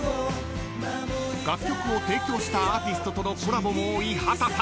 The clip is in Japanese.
［楽曲を提供したアーティストとのコラボも多い秦さん］